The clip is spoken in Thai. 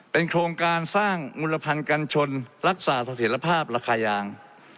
โครงการสร้างมุลพันธัญชนรักษาเสถียรภาพราคายาง